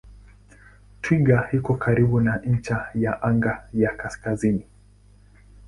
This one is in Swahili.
Twiga iko karibu na ncha ya anga ya kaskazini.